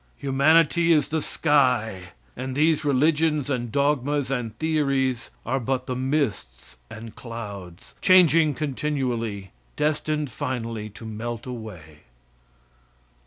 Humanity is the sky, and these religions and dogmas and theories are but the mists and clouds, changing continually, destined finally to melt away.